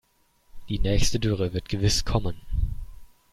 Die nächste Dürre wird gewiss kommen.